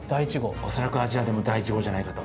恐らくアジアでも第１号じゃないかと。